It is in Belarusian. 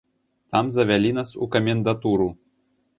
Там завялі нас у камендатуру.